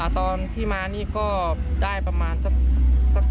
ตอนที่มานี่ก็ได้ประมาณสัก๓เดือนเนี่ย